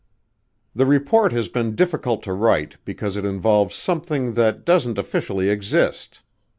The report has been difficult to write because it involves something that doesn't officially exist.